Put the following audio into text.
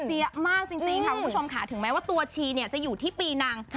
มากจริงค่ะคุณผู้ชมค่ะถึงแม้ว่าตัวชีเนี่ยจะอยู่ที่ปีนัง